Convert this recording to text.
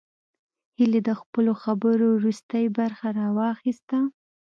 هيلې د خپلو خبرو وروستۍ برخه راواخيسته